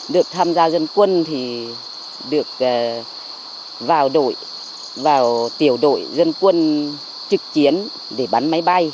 được tham gia dân quân thì được vào đội vào tiểu đội dân quân trực chiến để bắn máy bay